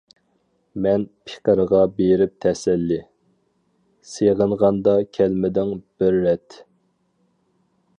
مەن پېقىرغا بېرىپ تەسەللى، سېغىنغاندا كەلمىدىڭ بىر رەت.